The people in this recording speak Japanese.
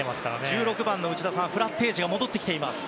１６番のフラッテージが戻ってきています。